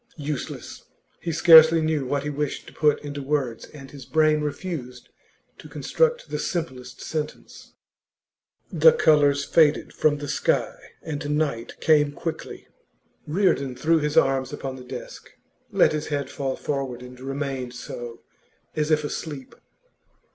Useless; he scarcely knew what he wished to put into words, and his brain refused to construct the simplest sentence. The colours faded from the sky, and night came quickly. Reardon threw his arms upon the desk, let his head fall forward, and remained so, as if asleep.